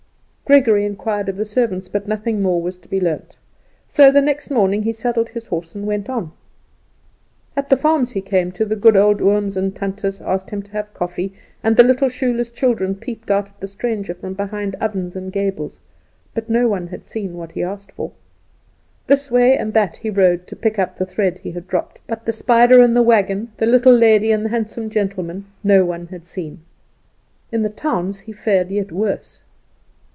Gregory inquired of the servants, but nothing more was to be learnt; so the next morning he saddled his horse and went on. At the farms he came to the good old ooms and tantes asked him to have coffee, and the little shoeless children peeped out at the stranger from behind ovens and gables; but no one had seen what he asked for. This way and that he rode to pick up the thread he had dropped, but the spider and the wagon, the little lady and the handsome gentleman, no one had seen. In the towns he fared yet worse.